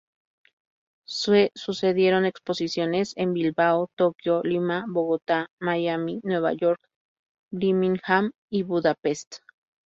Se sucedieron exposiciones en Bilbao, Tokio, Lima, Bogotá, Miami, Nueva York, Birmingham y Budapest.